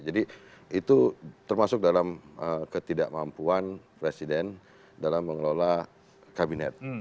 jadi itu termasuk dalam ketidakmampuan presiden dalam mengelola kabinet